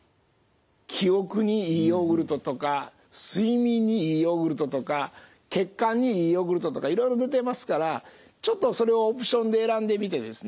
記憶にいいヨーグルトとか睡眠にいいヨーグルトとか血管にいいヨーグルトとかいろいろ出てますからちょっとそれをオプションで選んでみてですね